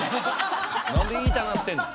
なんで言いたがってんねん。